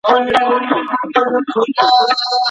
ولي د بریا په لاره کي د کورنۍ او ملګرو ملاتړ اړین دی؟